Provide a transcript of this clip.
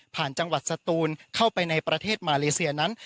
จังหวัดสตูนเข้าไปในประเทศมาเลเซียนั้น